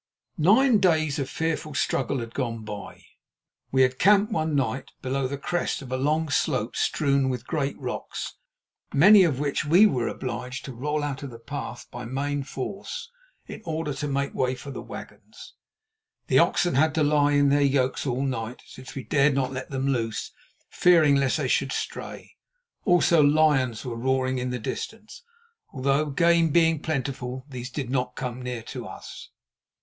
Nine days of fearful struggle had gone by. We had camped one night below the crest of a long slope strewn with great rocks, many of which we were obliged to roll out of the path by main force in order to make a way for the wagons. The oxen had to lie in their yokes all night, since we dared not let them loose fearing lest they should stray; also lions were roaring in the distance, although, game being plentiful, these did not come near to us.